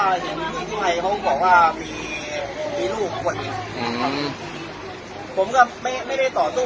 อืมแล้วก็เห็นพี่ที่ใหม่เขาบอกว่ามีมีลูกคนอืมผมก็ไม่ไม่ได้ต่อสู้